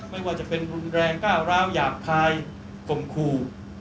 ไม่ว่าจะเป็นรุนแรงก้าวร้าวหยาบคายข่มขู่